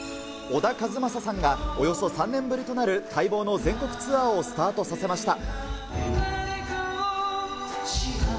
小田和正さんが、およそ３年ぶりとなる待望の全国ツアーをスタートさせました。